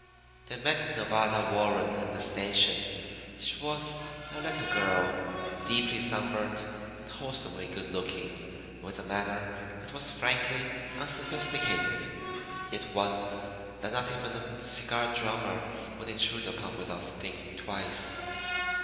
They met Nevada Warren at the station. She was a little girl, deeply sunburned and wholesomely good looking, with a manner that was frankly unsophisticated, yet one that not even a cigar drummer would intrude upon without thinking twice.